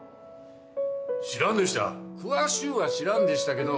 知らんでした詳しゅうは知らんでしたけど。